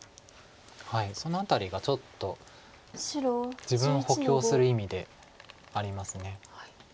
その辺りがちょっと自分を補強する意味であります。